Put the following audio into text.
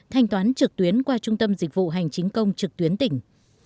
thanh toán trực tuyến qua trung tâm dịch vụ hành chính công trực tuyến tỉnh